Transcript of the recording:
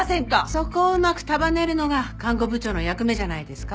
そこをうまく束ねるのが看護部長の役目じゃないですか？